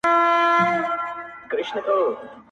ویل قیامت یې ویل محشر یې-